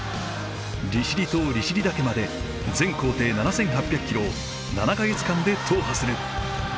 利尻島利尻岳まで全行程７，８００キロを７か月間で踏破する。